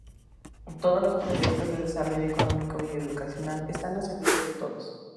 Todos los proyectos de desarrollo económico y educacional están a servicio de todos.